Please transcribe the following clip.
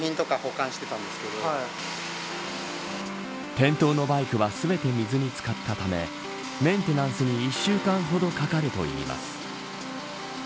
店頭のバイクは全て水に漬かったためメンテナンスに１週間ほどかかるといいます。